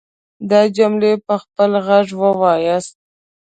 دا جملې په خپل غږ وواياست.